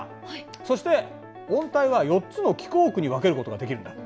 そして温帯は４つの気候区に分けることができるんだ。